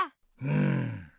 うん。